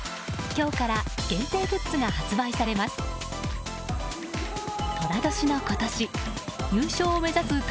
今日から限定グッズが発売されます。